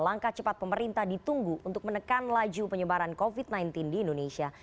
langkah cepat pemerintah ditunggu untuk menekan laju penyebaran covid sembilan belas di indonesia